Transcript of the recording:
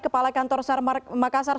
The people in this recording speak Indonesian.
kepala kantor makassar